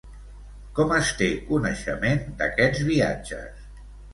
Com es té coneixement d'aquests viatges?